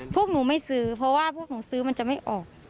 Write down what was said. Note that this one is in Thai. พวกหนูไม่ซื้อเพราะว่าพวกหนูซื้อมันจะไม่ออก